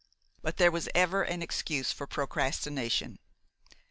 But there was ever an excuse for procrastination.